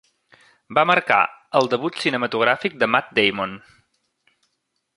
Va marcar el debut cinematogràfic de Matt Damon.